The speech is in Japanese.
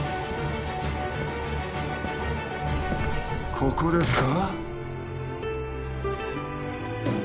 ここですか？